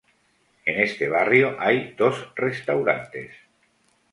En este barrio hay dos restaurantes.